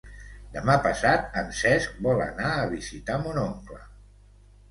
Demà passat en Cesc vol anar a visitar mon oncle.